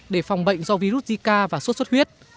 để phòng bệnh do virus zika và suốt suốt huyết